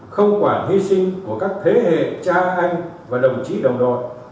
không quản hy sinh của các thế hệ cha anh và đồng chí đồng đội